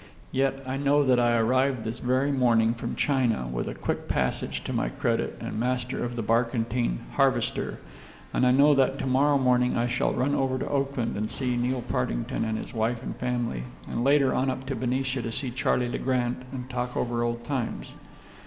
Yet I know that I arrived this very morning from China, with a quick passage to my credit, and master of the barkentine Harvester. And I know that to morrow morning I shall run over to Oakland to see Neil Partington and his wife and family, and later on up to Benicia to see Charley Le Grant and talk over old times.